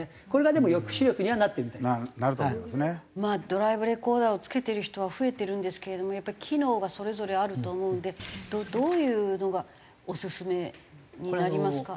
ドライブレコーダーを付けてる人は増えてるんですけれどもやっぱ機能がそれぞれあると思うのでどういうのがオススメになりますか？